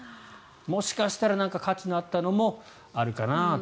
もしかしたら価値があったものもあるかなと。